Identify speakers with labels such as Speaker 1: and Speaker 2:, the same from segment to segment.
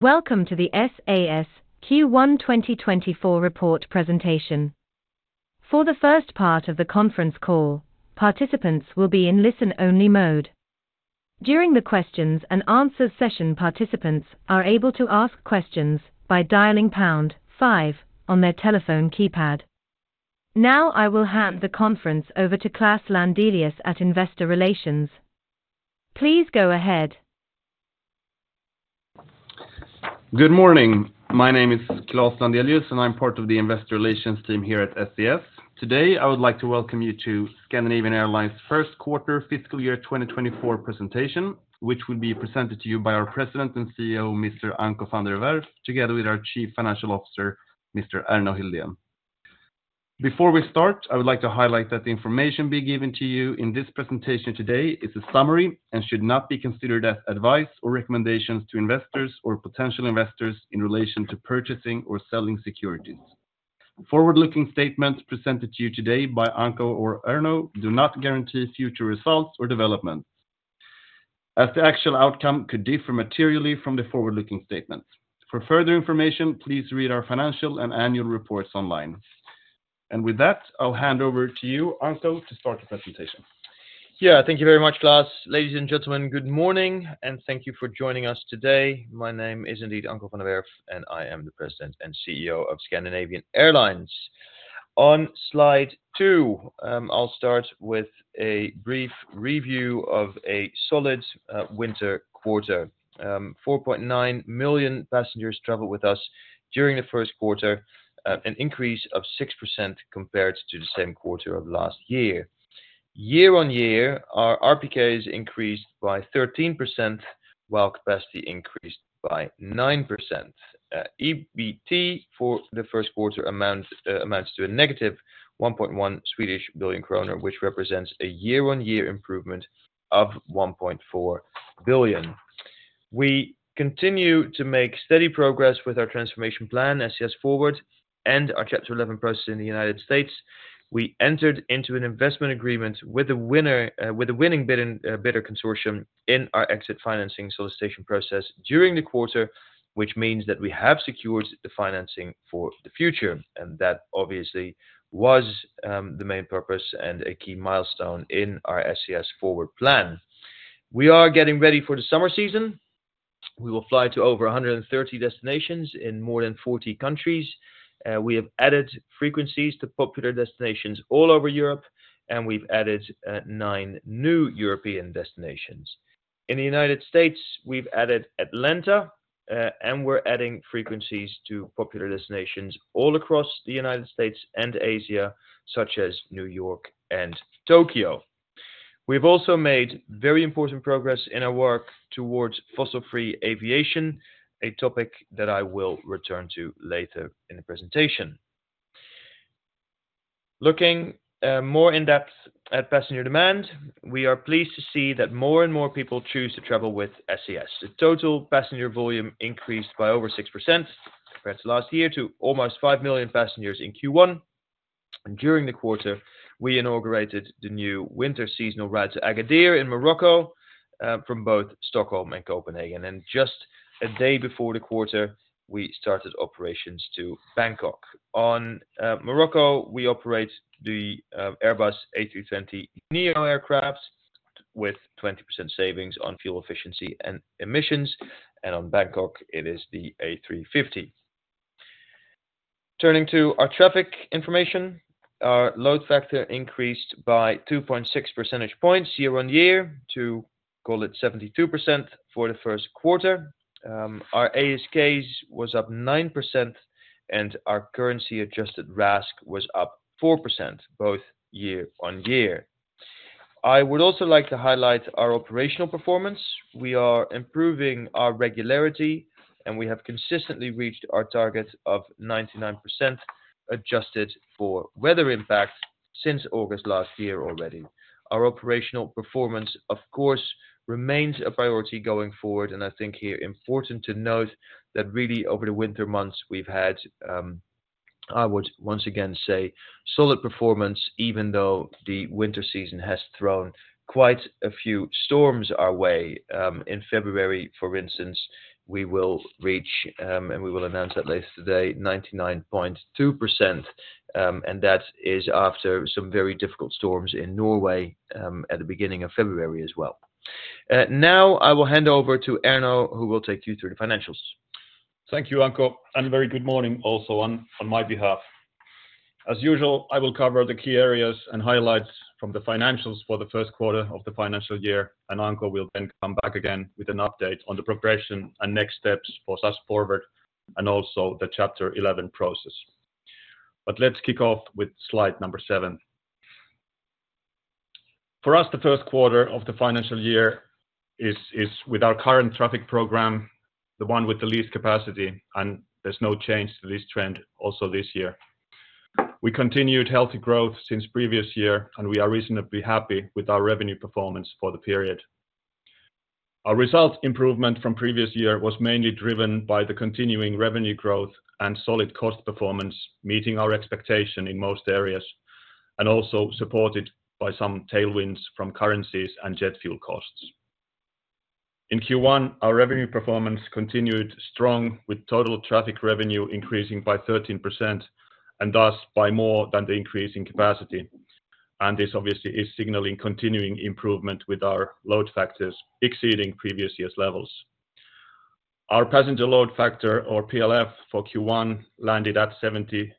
Speaker 1: Welcome to the SAS Q1 2024 report presentation. For the first part of the conference call, participants will be in listen-only mode. During the questions and answers session, participants are able to ask questions by dialing pound five on their telephone keypad. Now I will hand the conference over to Klas Landelius at Investor Relations. Please go ahead.
Speaker 2: Good morning. My name is Klas Landelius, and I'm part of the Investor Relations team here at SAS. Today I would like to welcome you to Scandinavian Airlines' First Quarter Fiscal Year 2024 presentation, which will be presented to you by our President and CEO, Mr. Anko Van der Werff, together with our Chief Financial Officer, Mr. Erno Hildén. Before we start, I would like to highlight that the information being given to you in this presentation today is a summary and should not be considered as advice or recommendations to investors or potential investors in relation to purchasing or selling securities. Forward-looking statements presented to you today by Anko or Erno do not guarantee future results or developments, as the actual outcome could differ materially from the forward-looking statements. For further information, please read our financial and annual reports online. With that, I'll hand over to you, Anko, to start the presentation.
Speaker 3: Yeah, thank you very much, Klas. Ladies and gentlemen, good morning, and thank you for joining us today. My name is indeed Anko Van der Werff, and I am the President and CEO of Scandinavian Airlines. On slide two, I'll start with a brief review of a solid winter quarter. 4.9 million passengers traveled with us during the first quarter, an increase of 6% compared to the same quarter of last year. Year-on-year, our RPKs increased by 13% while capacity increased by 9%. EBT for the first quarter amounts to -1.1 billion kronor, which represents a year-on-year improvement of 1.4 billion. We continue to make steady progress with our transformation plan, SAS FORWARD, and our Chapter 11 process in the United States. We entered into an investment agreement with the winning bidder consortium in our exit financing solicitation process during the quarter, which means that we have secured the financing for the future, and that obviously was the main purpose and a key milestone in our SAS FORWARD plan. We are getting ready for the summer season. We will fly to over 130 destinations in more than 40 countries. We have added frequencies to popular destinations all over Europe, and we've added nine new European destinations. In the United States, we've added Atlanta, and we're adding frequencies to popular destinations all across the United States and Asia, such as New York and Tokyo. We've also made very important progress in our work towards fossil-free aviation, a topic that I will return to later in the presentation. Looking more in depth at passenger demand, we are pleased to see that more and more people choose to travel with SAS. The total passenger volume increased by over 6% compared to last year, to almost 5 million passengers in Q1. During the quarter, we inaugurated the new winter seasonal route to Agadir in Morocco from both Stockholm and Copenhagen. Just a day before the quarter, we started operations to Bangkok. On Morocco, we operate the Airbus A320neo aircraft with 20% savings on fuel efficiency and emissions, and on Bangkok, it is the A350. Turning to our traffic information, our load factor increased by 2.6 percentage points year-on-year, to call it 72% for the first quarter. Our ASKs was up 9%, and our currency-adjusted RASK was up 4%, both year-on-year. I would also like to highlight our operational performance. We are improving our regularity, and we have consistently reached our target of 99% adjusted for weather impact since August last year already. Our operational performance, of course, remains a priority going forward, and I think here important to note that really over the winter months we've had, I would once again say, solid performance, even though the winter season has thrown quite a few storms our way. In February, for instance, we will reach, and we will announce that later today, 99.2%, and that is after some very difficult storms in Norway at the beginning of February as well. Now I will hand over to Erno Hildén, who will take you through the financials.
Speaker 4: Thank you, Anko, and very good morning also on my behalf. As usual, I will cover the key areas and highlights from the financials for the first quarter of the financial year, and Anko will then come back again with an update on the progression and next steps for SAS FORWARD and also the Chapter 11 process. But let's kick off with slide number seven. For us, the first quarter of the financial year is, with our current traffic program, the one with the least capacity, and there's no change, the least trend, also this year. We continued healthy growth since previous year, and we are reasonably happy with our revenue performance for the period. Our result improvement from previous year was mainly driven by the continuing revenue growth and solid cost performance meeting our expectation in most areas, and also supported by some tailwinds from currencies and jet fuel costs. In Q1, our revenue performance continued strong, with total traffic revenue increasing by 13% and thus by more than the increase in capacity, and this obviously is signaling continuing improvement with our load factors exceeding previous year's levels. Our Passenger Load Factor, or PLF, for Q1 landed at 71.8%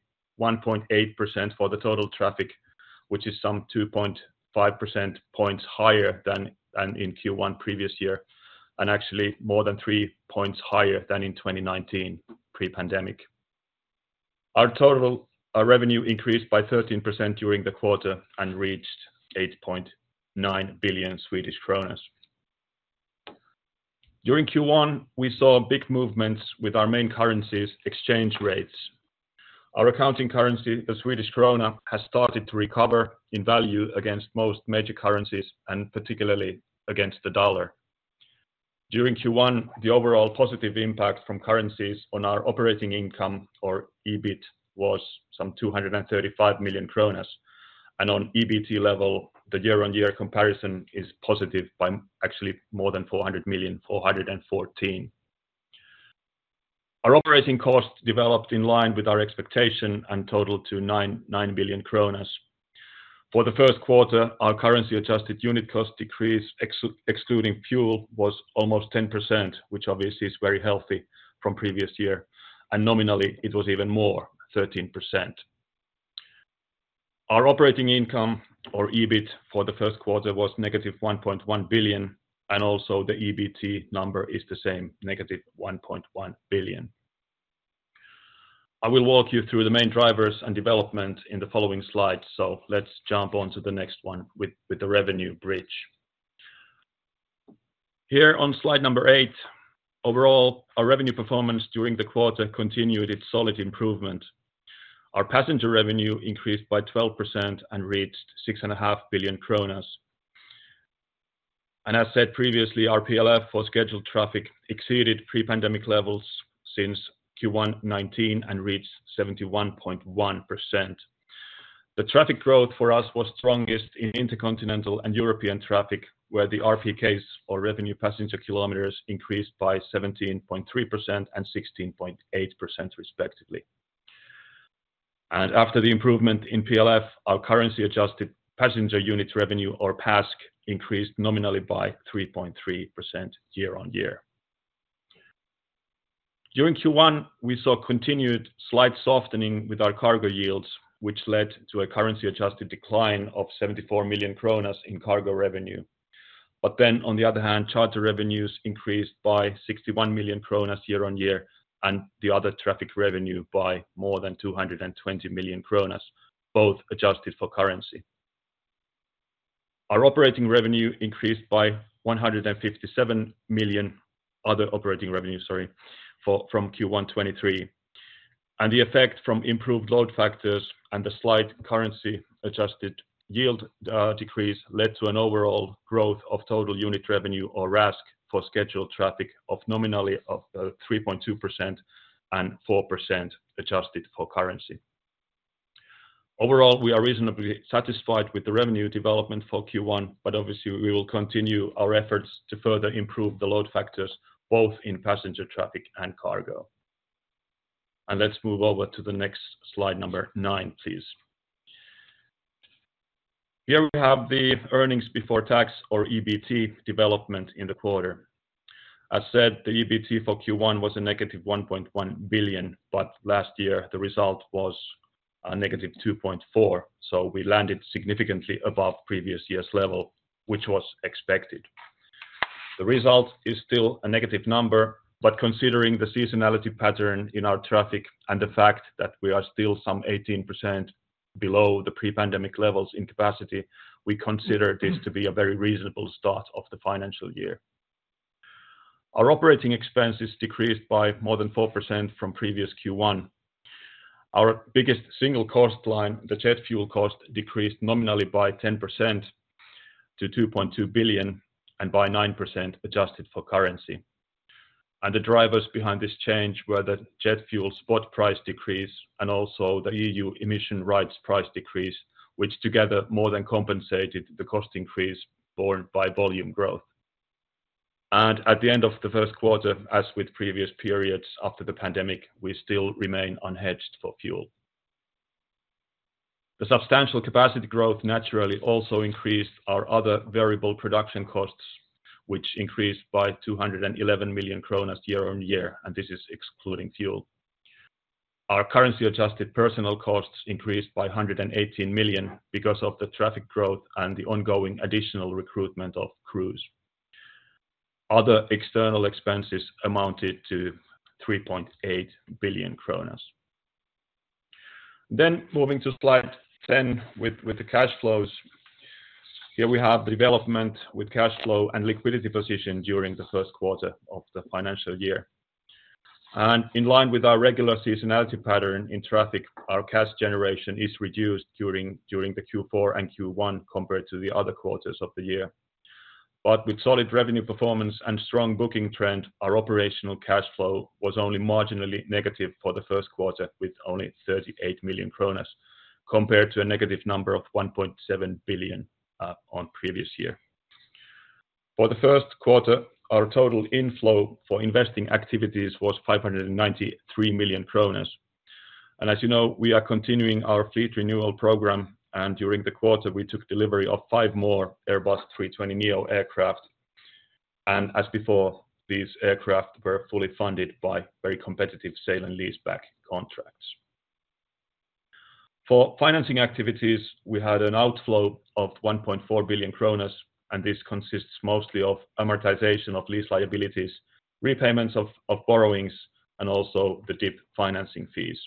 Speaker 4: for the total traffic, which is some 2.5 percentage points higher than in Q1 previous year, and actually more than 3 percentage points higher than in 2019, pre-pandemic. Our total revenue increased by 13% during the quarter and reached 8.9 billion Swedish kronor. During Q1, we saw big movements with our main currencies' exchange rates. Our accounting currency, the Swedish krona, has started to recover in value against most major currencies, and particularly against the dollar. During Q1, the overall positive impact from currencies on our operating income, or EBIT, was some 235 million kronor, and on EBT level, the year-on-year comparison is positive by actually more than 400 million, 414 million. Our operating cost developed in line with our expectation and totaled to 9 billion kronor. For the first quarter, our currency-adjusted unit cost decrease, excluding fuel, was almost 10%, which obviously is very healthy from previous year, and nominally it was even more, 13%. Our operating income, or EBIT, for the first quarter was negative 1.1 billion, and also the EBT number is the same, negative 1.1 billion. I will walk you through the main drivers and development in the following slides, so let's jump onto the next one with the revenue bridge. Here on slide number eight, overall, our revenue performance during the quarter continued its solid improvement. Our passenger revenue increased by 12% and reached 6.5 billion kronor. As said previously, our PLF for scheduled traffic exceeded pre-pandemic levels since Q1 2019 and reached 71.1%. The traffic growth for us was strongest in intercontinental and European traffic, where the RPKs, or revenue passenger kilometers, increased by 17.3% and 16.8% respectively. After the improvement in PLF, our currency-adjusted passenger unit revenue, or PASK, increased nominally by 3.3% year-on-year. During Q1, we saw continued slight softening with our cargo yields, which led to a currency-adjusted decline of 74 million kronor in cargo revenue. Then, on the other hand, charter revenues increased by 61 million kronor year-on-year, and the other traffic revenue by more than 220 million kronor, both adjusted for currency. Our operating revenue increased by 157 million other operating revenue, sorry, from Q1 2023. The effect from improved load factors and the slight currency-adjusted yield decrease led to an overall growth of total unit revenue, or RASK, for scheduled traffic of nominally 3.2% and 4% adjusted for currency. Overall, we are reasonably satisfied with the revenue development for Q1, but obviously we will continue our efforts to further improve the load factors, both in passenger traffic and cargo. Let's move over to the next slide, number nine, please. Here we have the earnings before tax, or EBT, development in the quarter. As said, the EBT for Q1 was a negative 1.1 billion, but last year the result was a negative 2.4 billion, so we landed significantly above previous year's level, which was expected. The result is still a negative number, but considering the seasonality pattern in our traffic and the fact that we are still some 18% below the pre-pandemic levels in capacity, we consider this to be a very reasonable start of the financial year. Our operating expenses decreased by more than 4% from previous Q1. Our biggest single cost line, the jet fuel cost, decreased nominally by 10% to 2.2 billion and by 9% adjusted for currency. The drivers behind this change were the jet fuel spot price decrease and also the EU emission rights price decrease, which together more than compensated the cost increase borne by volume growth. At the end of the first quarter, as with previous periods after the pandemic, we still remain unhedged for fuel. The substantial capacity growth naturally also increased our other variable production costs, which increased by 211 million kronor year-on-year, and this is excluding fuel. Our currency-adjusted personal costs increased by 118 million because of the traffic growth and the ongoing additional recruitment of crews. Other external expenses amounted to 3.8 billion kronor. Then moving to slide 10 with the cash flows, here we have the development with cash flow and liquidity position during the first quarter of the financial year. And in line with our regular seasonality pattern in traffic, our cash generation is reduced during the Q4 and Q1 compared to the other quarters of the year. But with solid revenue performance and strong booking trend, our operational cash flow was only marginally negative for the first quarter, with only 38 million kronor, compared to a negative number of 1.7 billion on previous year. For the first quarter, our total inflow for investing activities was 593 million kronor. As you know, we are continuing our fleet renewal program, and during the quarter we took delivery of five more Airbus A320neo aircraft. As before, these aircraft were fully funded by very competitive sale-and-lease-back contracts. For financing activities, we had an outflow of 1.4 billion kronor, and this consists mostly of amortization of lease liabilities, repayments of borrowings, and also the DIP financing fees.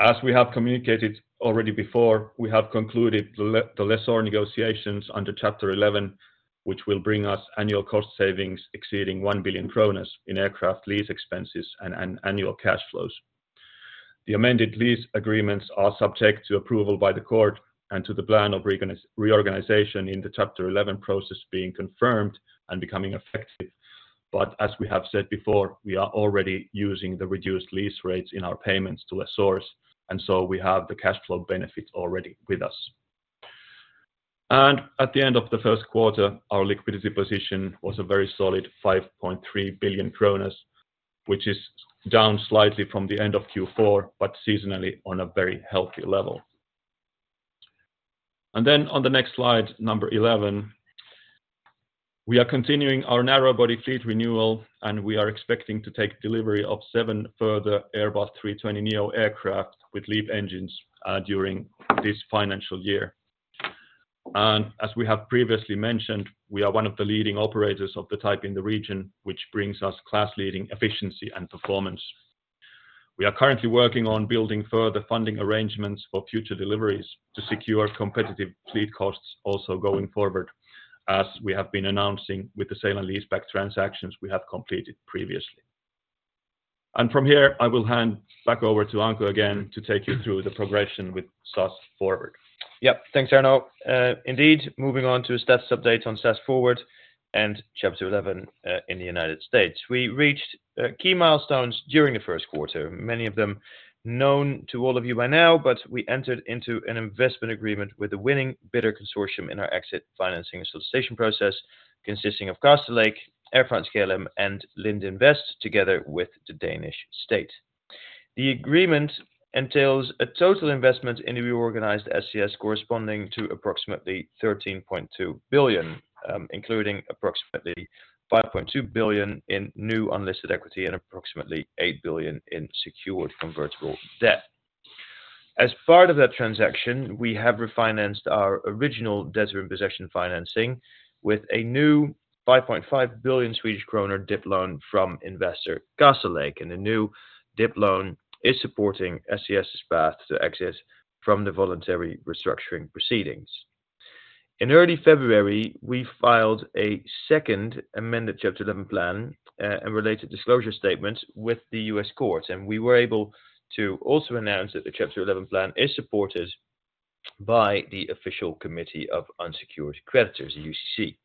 Speaker 4: As we have communicated already before, we have concluded the lessor negotiations under Chapter 11, which will bring us annual cost savings exceeding 1 billion kronor in aircraft lease expenses and annual cash flows. The amended lease agreements are subject to approval by the court and to the plan of reorganization in the Chapter 11 process being confirmed and becoming effective. As we have said before, we are already using the reduced lease rates in our payments to lessors, and so we have the cash flow benefit already with us. At the end of the first quarter, our liquidity position was a very solid 5.3 billion kronor, which is down slightly from the end of Q4, but seasonally on a very healthy level. On the next slide, number 11, we are continuing our narrow-body fleet renewal, and we are expecting to take delivery of seven further Airbus A320neo aircraft with LEAP engines during this financial year. As we have previously mentioned, we are one of the leading operators of the type in the region, which brings us class-leading efficiency and performance. We are currently working on building further funding arrangements for future deliveries to secure competitive fleet costs also going forward, as we have been announcing with the sale-and-lease-back transactions we have completed previously. From here, I will hand back over to Anko again to take you through the progression with SAS FORWARD.
Speaker 3: Yep, thanks, Erno. Indeed, moving on to a status update on SAS FORWARD and Chapter 11 in the United States. We reached key milestones during the first quarter, many of them known to all of you by now, but we entered into an investment agreement with the Winning Bidder Consortium in our exit financing and solicitation process, consisting of Castlelake, Air France-KLM, and Lind Invest, together with the Danish State. The agreement entails a total investment in the reorganized SAS corresponding to approximately 13.2 billion, including approximately 5.2 billion in new unlisted equity and approximately 8 billion in secured convertible debt. As part of that transaction, we have refinanced our original debtor-in-possession financing with a new 5.5 billion Swedish kronor DIP loan from investor Castlelake, and the new DIP loan is supporting SAS's path to exit from the voluntary restructuring proceedings. In early February, we filed a second amended Chapter 11 plan and related disclosure statements with the U.S. courts, and we were able to also announce that the Chapter 11 plan is supported by the Official Committee of Unsecured Creditors, the UCC.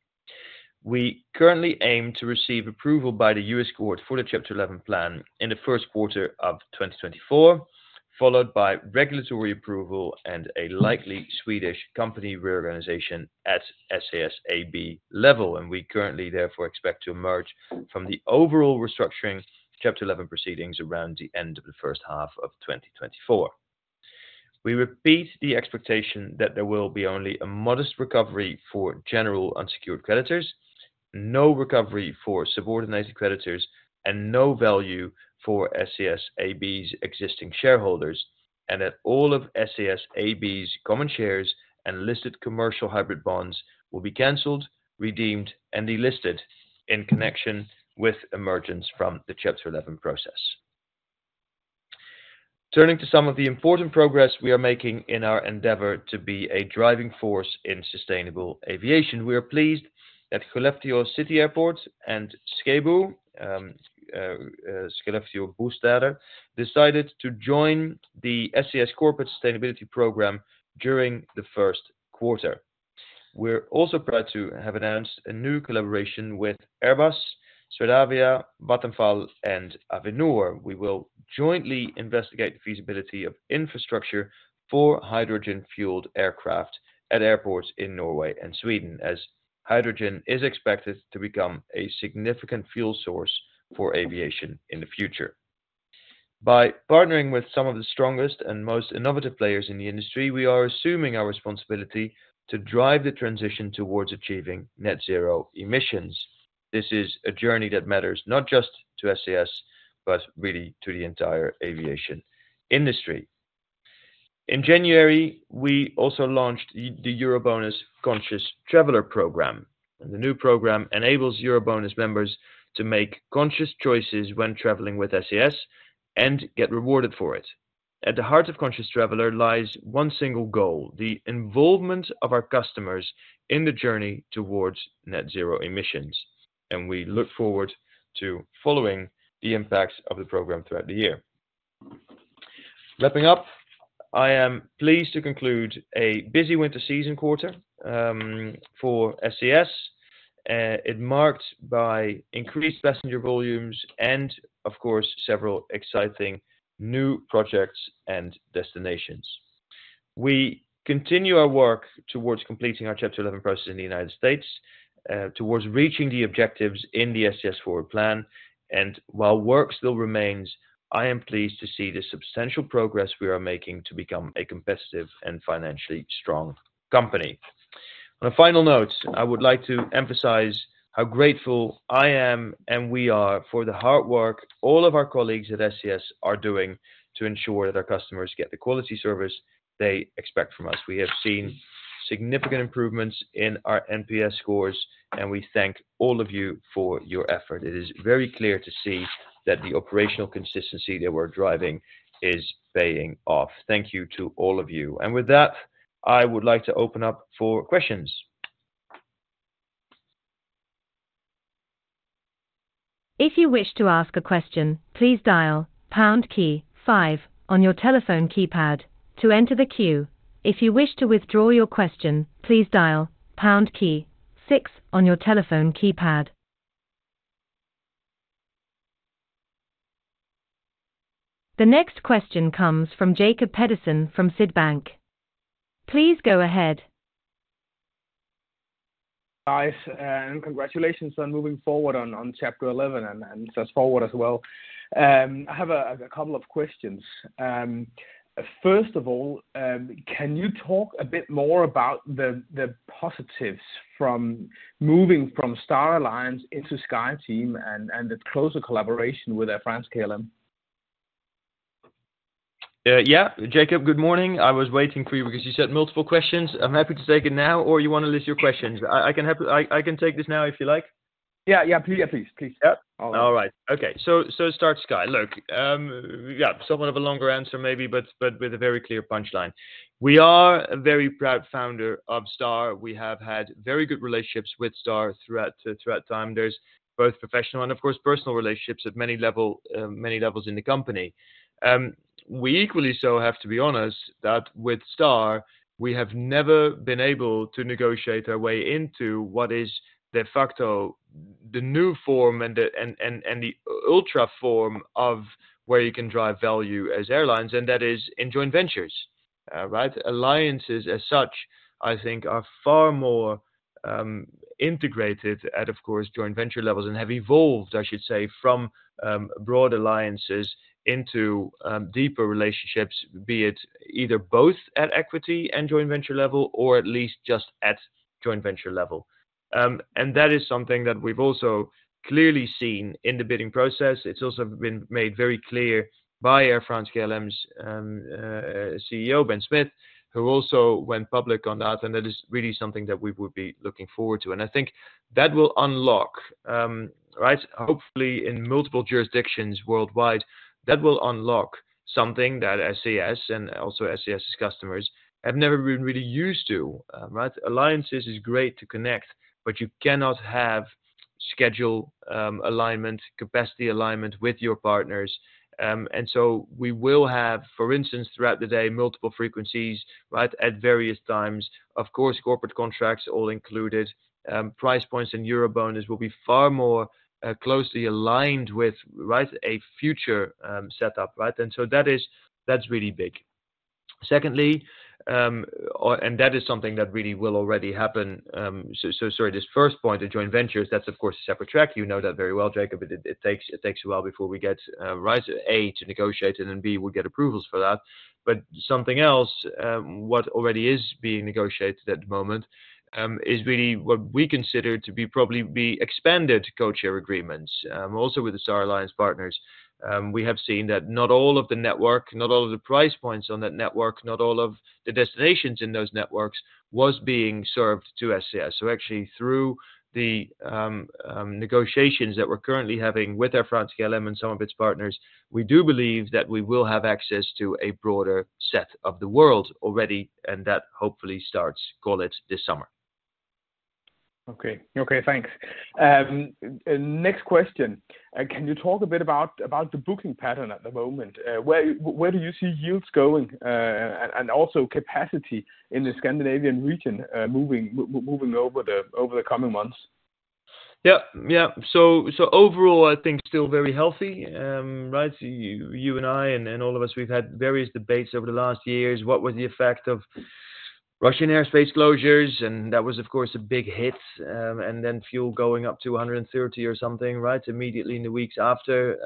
Speaker 3: We currently aim to receive approval by the U.S. court for the Chapter 11 plan in the first quarter of 2024, followed by regulatory approval and a likely Swedish company reorganization at SAS AB level, and we currently therefore expect to emerge from the overall restructuring Chapter 11 proceedings around the end of the first half of 2024. We repeat the expectation that there will be only a modest recovery for general unsecured creditors, no recovery for subordinated creditors, and no value for SAS AB's existing shareholders, and that all of SAS AB's common shares and listed commercial hybrid bonds will be canceled, redeemed, and delisted in connection with emergence from the Chapter 11 process. Turning to some of the important progress we are making in our endeavor to be a driving force in sustainable aviation, we are pleased that Skellefteå City Airport and Skebo Skelleftebostäder decided to join the SAS Corporate Sustainability Program during the first quarter. We're also proud to have announced a new collaboration with Airbus, Swedavia, Vattenfall, and Avinor. We will jointly investigate the feasibility of infrastructure for hydrogen-fueled aircraft at airports in Norway and Sweden, as hydrogen is expected to become a significant fuel source for aviation in the future. By partnering with some of the strongest and most innovative players in the industry, we are assuming our responsibility to drive the transition towards achieving net-zero emissions. This is a journey that matters not just to SAS, but really to the entire aviation industry. In January, we also launched the EuroBonus Conscious Traveler Program, and the new program enables EuroBonus members to make conscious choices when traveling with SAS and get rewarded for it. At the heart of Conscious Traveler lies one single goal, the involvement of our customers in the journey towards net-zero emissions, and we look forward to following the impacts of the program throughout the year. Wrapping up, I am pleased to conclude a busy winter season quarter for SAS. It marked by increased passenger volumes and, of course, several exciting new projects and destinations. We continue our work towards completing our Chapter 11 process in the United States, towards reaching the objectives in the SAS FORWARD plan, and while work still remains, I am pleased to see the substantial progress we are making to become a competitive and financially strong company. On a final note, I would like to emphasize how grateful I am and we are for the hard work all of our colleagues at SAS are doing to ensure that our customers get the quality service they expect from us. We have seen significant improvements in our NPS scores, and we thank all of you for your effort. It is very clear to see that the operational consistency that we're driving is paying off. Thank you to all of you. With that, I would like to open up for questions.
Speaker 1: If you wish to ask a question, please dial pound key five on your telephone keypad to enter the queue. If you wish to withdraw your question, please dial pound key six on your telephone keypad. The next question comes from Jacob Pedersen from Sydbank. Please go ahead.
Speaker 5: Guys, and congratulations on moving forward on Chapter 11 and SAS FORWARD as well. I have a couple of questions. First of all, can you talk a bit more about the positives from moving from Star Alliance into SkyTeam and the closer collaboration with Air France-KLM?
Speaker 3: Yeah, Jacob, good morning. I was waiting for you because you sent multiple questions. I'm happy to take it now, or you want to list your questions? I can take this now if you like.
Speaker 5: Yeah, yeah, please, please, please. All right.
Speaker 3: All right. Okay. So start, Sky. Look, yeah, somewhat of a longer answer maybe, but with a very clear punchline. We are a very proud founder of Star. We have had very good relationships with Star throughout time. There's both professional and, of course, personal relationships at many levels in the company. We equally so have to be honest that with Star, we have never been able to negotiate our way into what is de facto the new form and the ultra form of where you can drive value as airlines, and that is in joint ventures, right? Alliances as such, I think, are far more integrated at, of course, joint venture levels and have evolved, I should say, from broad alliances into deeper relationships, be it either both at equity and joint venture level or at least just at joint venture level. And that is something that we've also clearly seen in the bidding process. It's also been made very clear by Air France-KLM's CEO, Ben Smith, who also went public on that, and that is really something that we would be looking forward to. And I think that will unlock, right? Hopefully, in multiple jurisdictions worldwide, that will unlock something that SAS and also SAS's customers have never been really used to, right? Alliances is great to connect, but you cannot have schedule alignment, capacity alignment with your partners. And so we will have, for instance, throughout the day, multiple frequencies, right, at various times. Of course, corporate contracts all included. Price points and EuroBonus will be far more closely aligned with, right, a future setup, right? And so that's really big. Secondly, and that is something that really will already happen. So sorry, this first point, the joint ventures, that's, of course, a separate track. You know that very well, Jacob, but it takes a while before we get A to negotiate it and B, we get approvals for that. But something else, what already is being negotiated at the moment, is really what we consider to probably be expanded codeshare agreements. Also with the Star Alliance partners, we have seen that not all of the network, not all of the price points on that network, not all of the destinations in those networks were being served to SCS. So actually, through the negotiations that we're currently having with Air France-KLM and some of its partners, we do believe that we will have access to a broader set of the world already, and that hopefully starts, call it, this summer.
Speaker 5: Okay. Okay, thanks. Next question. Can you talk a bit about the booking pattern at the moment? Where do you see yields going and also capacity in the Scandinavian region moving over the coming months?
Speaker 3: Yeah, yeah. So overall, I think still very healthy, right? You and I and all of us, we've had various debates over the last years. What was the effect of Russian airspace closures? And that was, of course, a big hit. And then fuel going up to $130 or something, right, immediately in the weeks after.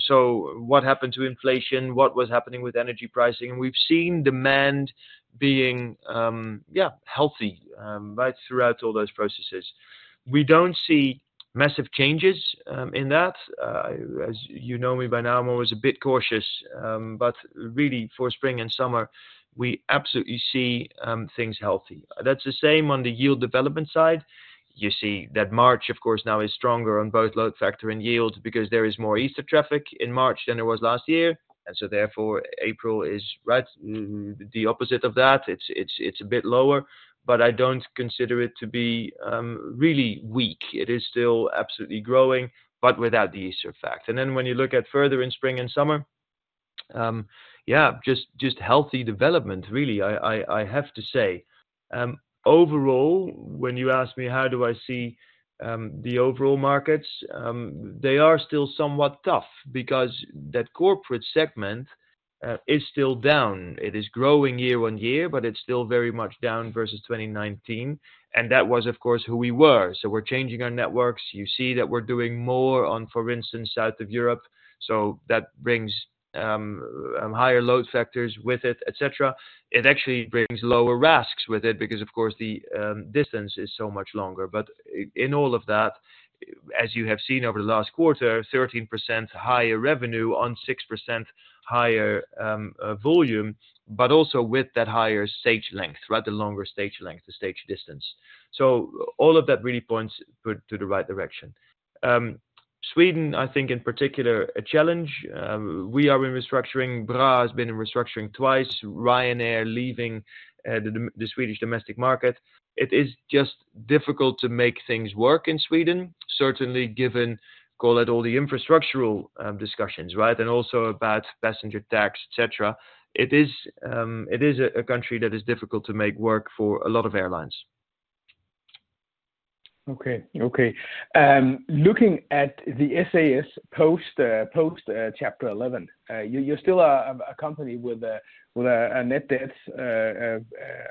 Speaker 3: So what happened to inflation? What was happening with energy pricing? And we've seen demand being, yeah, healthy, right, throughout all those processes. We don't see massive changes in that. As you know me by now, I'm always a bit cautious. But really, for spring and summer, we absolutely see things healthy. That's the same on the yield development side. You see that March, of course, now is stronger on both load factor and yield because there is more Easter traffic in March than there was last year. And so therefore, April is, right, the opposite of that. It's a bit lower. But I don't consider it to be really weak. It is still absolutely growing, but without the Easter fact. And then when you look at further in spring and summer, yeah, just healthy development, really, I have to say. Overall, when you ask me how do I see the overall markets, they are still somewhat tough because that corporate segment is still down. It is growing year-on-year, but it's still very much down versus 2019. And that was, of course, who we were. So we're changing our networks. You see that we're doing more on, for instance, south of Europe. So that brings higher load factors with it, etc. It actually brings lower RASKs with it because, of course, the distance is so much longer. But in all of that, as you have seen over the last quarter, 13% higher revenue on 6% higher volume, but also with that higher stage length, right, the longer stage length, the stage distance. So all of that really points to the right direction. Sweden, I think, in particular, a challenge. We are in restructuring. BRA has been in restructuring twice. Ryanair leaving the Swedish domestic market. It is just difficult to make things work in Sweden, certainly given, call it, all the infrastructural discussions, right, and also about passenger tax, etc. It is a country that is difficult to make work for a lot of airlines.
Speaker 5: Okay. Okay. Looking at the SAS post-Chapter 11, you're still a company with a net debt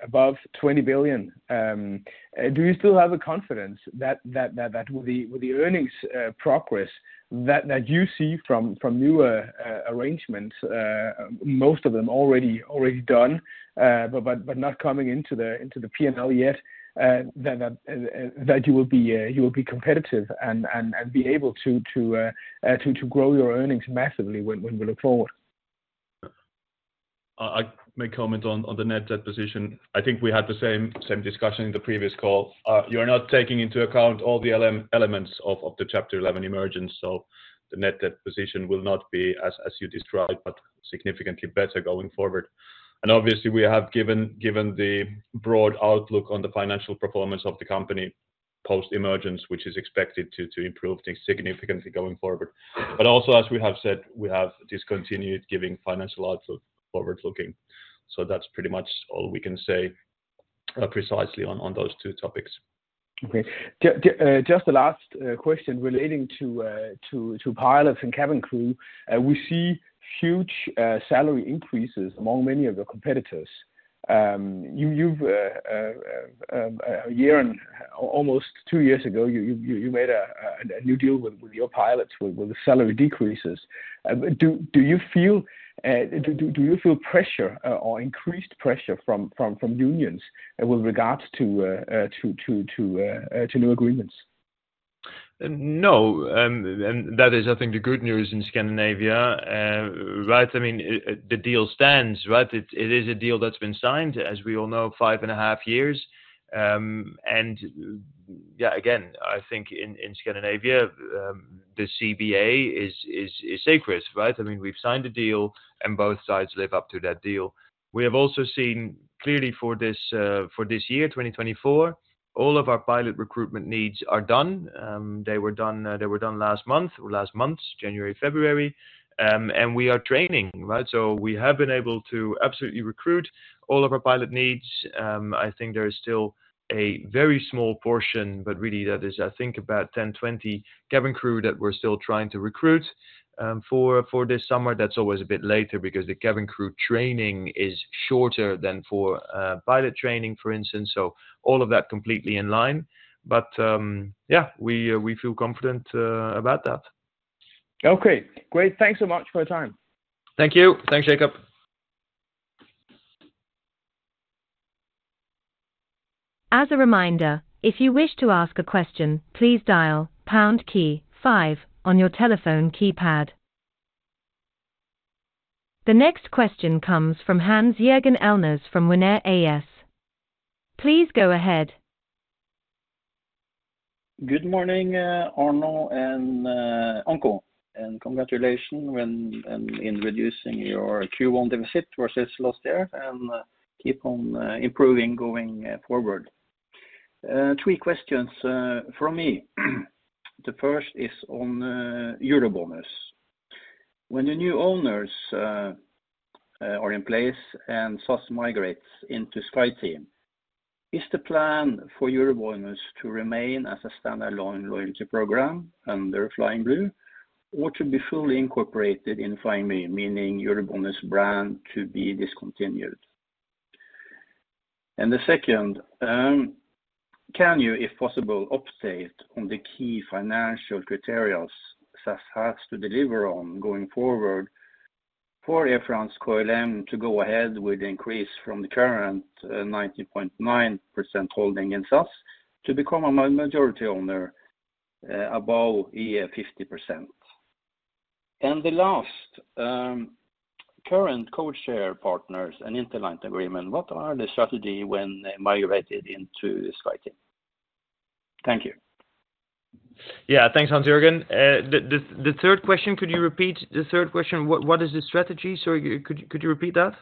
Speaker 5: above 20 billion. Do you still have the confidence that with the earnings progress that you see from newer arrangements, most of them already done, but not coming into the P&L yet, that you will be competitive and be able to grow your earnings massively when we look forward?
Speaker 4: I make comments on the net debt position. I think we had the same discussion in the previous call. You are not taking into account all the elements of the Chapter 11 emergence, so the net debt position will not be as you described, but significantly better going forward. And obviously, we have given the broad outlook on the financial performance of the company post-emergence, which is expected to improve significantly going forward. But also, as we have said, we have discontinued giving financial outlook forward-looking. So that's pretty much all we can say precisely on those two topics.
Speaker 5: Okay. Just the last question relating to pilots and cabin crew. We see huge salary increases among many of your competitors. A year and almost two years ago, you made a new deal with your pilots with salary decreases. Do you feel pressure or increased pressure from unions with regards to new agreements?
Speaker 3: No. And that is, I think, the good news in Scandinavia, right? I mean, the deal stands, right? It is a deal that's been signed, as we all know, 5.5 years. And yeah, again, I think in Scandinavia, the CBA is sacred, right? I mean, we've signed a deal, and both sides live up to that deal. We have also seen clearly for this year, 2024, all of our pilot recruitment needs are done. They were done last month or last months, January, February. And we are training, right? So we have been able to absolutely recruit all of our pilot needs. I think there is still a very small portion, but really that is, I think, about 10, 20 cabin crew that we're still trying to recruit for this summer. That's always a bit later because the cabin crew training is shorter than for pilot training, for instance. So all of that completely in line. But yeah, we feel confident about that.
Speaker 5: Okay. Great. Thanks so much for your time.
Speaker 3: Thank you. Thanks, Jacob.
Speaker 1: As a reminder, if you wish to ask a question, please dial pound key five on your telephone keypad. The next question comes from Hans Jørgen Elnæs from Winair AS. Please go ahead.
Speaker 6: Good morning, Anko and Erno, and congratulations on reducing your Q1 deficit versus last year and keep on improving going forward. Three questions from me. The first is on EuroBonus. When the new owners are in place and SAS migrates into SkyTeam, is the plan for EuroBonus to remain as a standalone loyalty program under Flying Blue or to be fully incorporated in Flying Blue, meaning EuroBonus brand to be discontinued? And the second, can you, if possible, update on the key financial criteria SAS has to deliver on going forward for Air France-KLM to go ahead with the increase from the current 90.9% holding in SAS to become a majority owner above 50%? And the last, current codeshare partners and interline agreements, what are the strategies when migrated into SkyTeam? Thank you.
Speaker 3: Yeah, thanks, Hans Jørgen. The third question, could you repeat the third question? What is the strategy? Sorry, could you repeat that?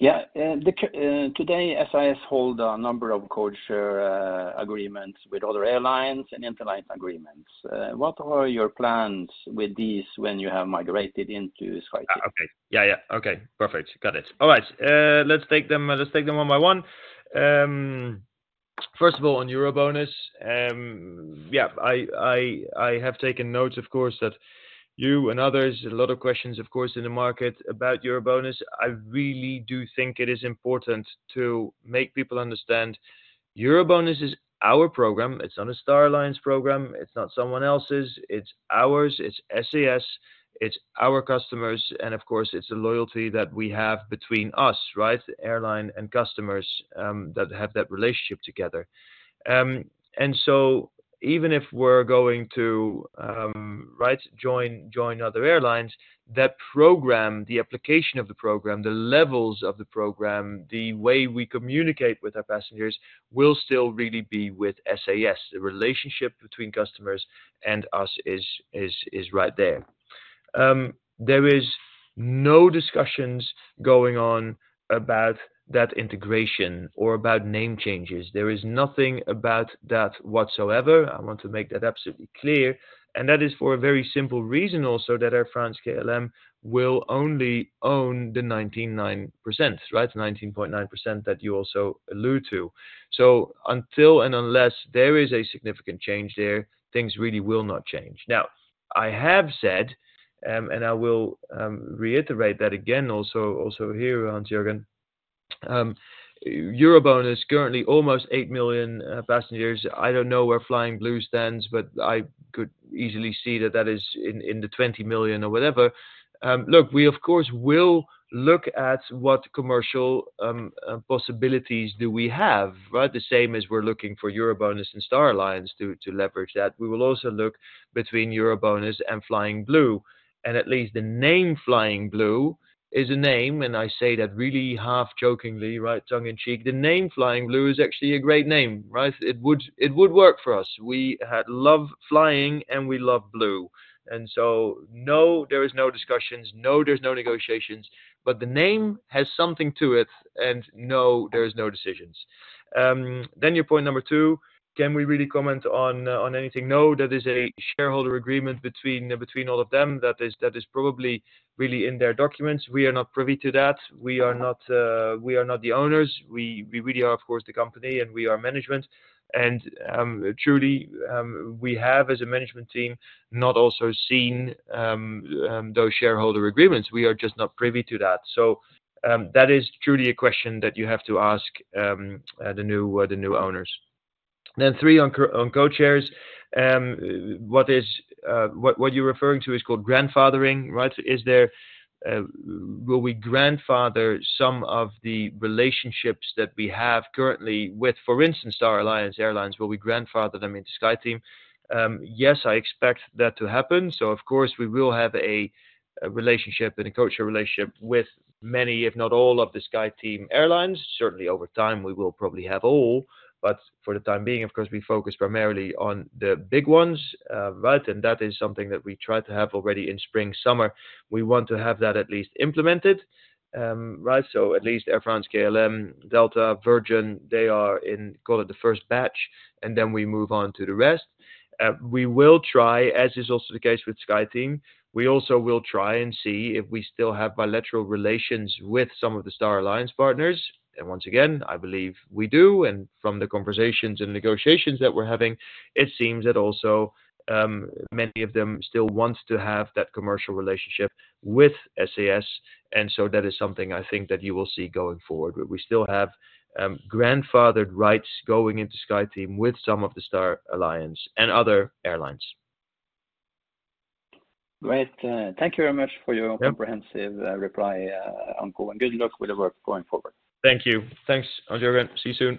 Speaker 6: Yeah. Today, SAS holds a number of codeshare agreements with other airlines and interlinked agreements. What are your plans with these when you have migrated into SkyTeam?
Speaker 3: Okay. Yeah, yeah. Okay. Perfect. Got it. All right. Let's take them one by one. First of all, on EuroBonus, yeah, I have taken notes, of course, that you and others, a lot of questions, of course, in the market about EuroBonus. I really do think it is important to make people understand EuroBonus is our program. It's not a Star Alliance program. It's not someone else's. It's ours. It's SAS. It's our customers. And of course, it's a loyalty that we have between us, right, airline and customers that have that relationship together. And so even if we're going to, right, join other airlines, that program, the application of the program, the levels of the program, the way we communicate with our passengers will still really be with SAS. The relationship between customers and us is right there. There is no discussions going on about that integration or about name changes. There is nothing about that whatsoever. I want to make that absolutely clear. And that is for a very simple reason also that Air France-KLM will only own the 19.9%, right, 19.9% that you also allude to. So until and unless there is a significant change there, things really will not change. Now, I have said, and I will reiterate that again also here, Hans Jørgen, EuroBonus currently almost 8 million passengers. I don't know where Flying Blue stands, but I could easily see that that is in the 20 million or whatever. Look, we, of course, will look at what commercial possibilities do we have, right, the same as we're looking for EuroBonus and Star Alliance to leverage that. We will also look between EuroBonus and Flying Blue. And at least the name Flying Blue is a name, and I say that really half-jokingly, right, tongue-in-cheek. The name Flying Blue is actually a great name, right? It would work for us. We love flying, and we love blue. And so no, there are no discussions. No, there are no negotiations. But the name has something to it, and no, there are no decisions. Then your point number two, can we really comment on anything? No, that is a shareholder agreement between all of them. That is probably really in their documents. We are not privy to that. We are not the owners. We really are, of course, the company, and we are management. And truly, we have, as a management team, not also seen those shareholder agreements. We are just not privy to that. So that is truly a question that you have to ask the new owners. Then three on codeshares. What you're referring to is called grandfathering, right? Will we grandfather some of the relationships that we have currently with, for instance, Star Alliance? Will we grandfather them into SkyTeam? Yes, I expect that to happen. So of course, we will have a relationship and a codeshare relationship with many, if not all, of the SkyTeam airlines. Certainly, over time, we will probably have all. But for the time being, of course, we focus primarily on the big ones, right? And that is something that we tried to have already in spring, summer. We want to have that at least implemented, right? So at least Air France-KLM, Delta, Virgin, they are in, call it, the first batch, and then we move on to the rest. We will try, as is also the case with SkyTeam, we also will try and see if we still have bilateral relations with some of the Star Alliance partners. Once again, I believe we do. From the conversations and negotiations that we're having, it seems that also many of them still want to have that commercial relationship with SAS. So that is something I think that you will see going forward, where we still have grandfathered rights going into SkyTeam with some of the Star Alliance and other airlines.
Speaker 6: Great. Thank you very much for your comprehensive reply, Anko, and good luck with the work going forward.
Speaker 3: Thank you. Thanks, Hans Jørgen. See you soon.